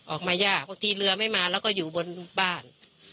ออกมายากบางทีเรือไม่มาแล้วก็อยู่บนบ้าน